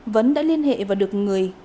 vấn đã liên hệ và được người